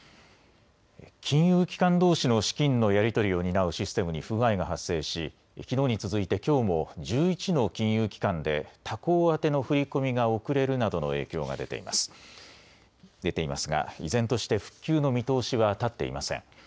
金融機関どうしの資金のやり取りを担うシステムに不具合が発生しきのうに続いてきょうも１１の金融機関で他行宛の振り込みが遅れるなどの影響が出ていますが依然として復旧の見通しは立っていません。